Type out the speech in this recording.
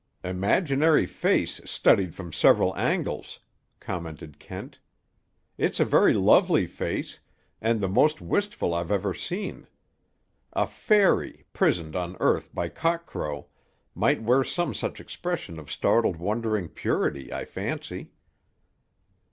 "Imaginary face studied from various angles," commented Kent. "It's a very lovely face, and the most wistful I've ever seen. A fairy, prisoned on earth by cockcrow, might wear some such expression of startled wondering purity, I fancy."